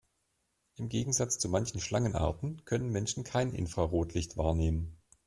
Im Gegensatz zu manchen Schlangenarten können Menschen kein Infrarotlicht wahrnehmen.